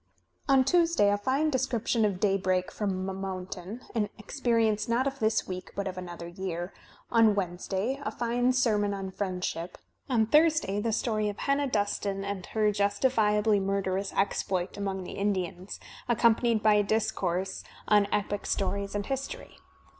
On Tuesday a fine description of daybreak from a moun tain, an experience not of this week but of another year; on Wednesday a fine sermon on friendship; on Thursday the story of Hannah Dustan and her justifiably murderous exploit among the Indians, accompanied by a discourse on Digitized by Google 182 THE SPIRIT OF AMERICAN LITERATURE epic stories and history.